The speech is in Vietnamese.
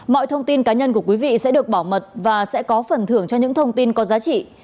mọi thông tin cá nhân của quý vị sẽ được bảo mật và sẽ có phần thưởng cho những thông tin có giá trị